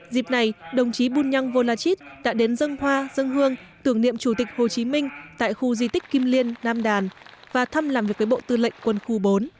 dịp này đồng chí bunyang volachit đã đến dân hoa dân hương tưởng niệm chủ tịch hồ chí minh tại khu di tích kim liên nam đàn và thăm làm việc với bộ tư lệnh quân khu bốn